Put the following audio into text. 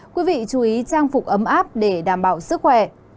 quý vị chú ý trang phục ấm áp để đảm bảo sức khỏe